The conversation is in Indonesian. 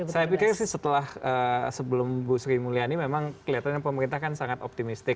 saya pikir sih setelah sebelum bu sri mulyani memang kelihatannya pemerintah kan sangat optimistik